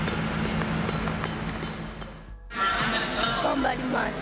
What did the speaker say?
頑張ります。